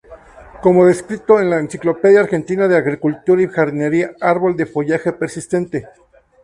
Como descripto en la "Enciclopedia Argentina de Agricultura y Jardinería": "Árbol de follaje persistente.